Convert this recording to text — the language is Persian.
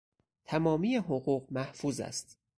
تمامی حقوق محفوظ است